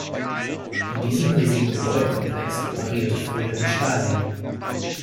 In diesem riesigen Gebäudekomplex operierte früher die Stasi.